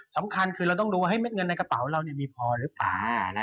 สำคัญคือเราต้องดูว่าเงินในกระเป๋าเรามีพอหรือเปล่า